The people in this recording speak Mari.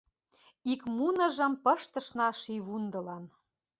Ик муныжым пыштышна шийвундылан